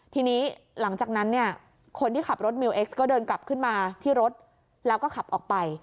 ทีนี้หลังจากนั้นเนี่ยคนที่ขับรถมิวเอ็กซก็เดินกลับขึ้นมาที่รถแล้วก็ขับออกไป